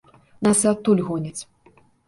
Нас і адтуль гоняць.